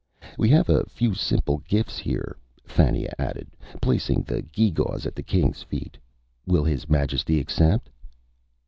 "We have a few simple gifts here," Fannia added, placing the gewgaws at the king's feet. "Will his majesty accept?"